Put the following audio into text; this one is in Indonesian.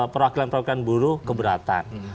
perwakilan perwakilan buruh keberatan